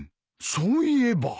そういえば。